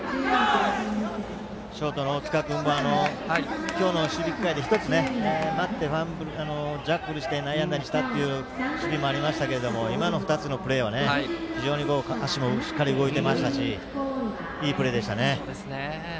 ショートの大塚君今日の守備機会で１つ待って、ジャッグルして内野安打にしたという守備がありましたけど今の２つのプレーは、非常に足もしっかり動いてましたしいいプレーでしたね。